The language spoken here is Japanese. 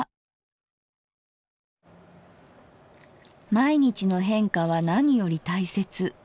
「毎日の変化は何より大切。